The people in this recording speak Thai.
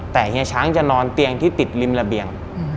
แต่เฮียช้างจะนอนเตียงที่ติดริมระเบียง